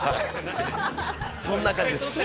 そんな感じです。